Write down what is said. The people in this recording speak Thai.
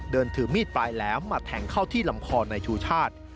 เดินถือมีดไปแล้วมาแทงเข้าที่ลำคอในชูชาติ